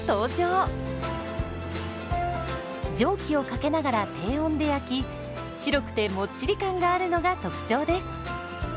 蒸気をかけながら低温で焼き白くてもっちり感があるのが特徴です。